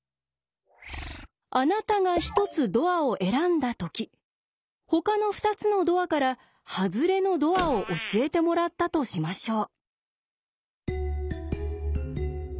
あなたが１つドアを選んだときほかの２つのドアからハズレのドアを教えてもらったとしましょう。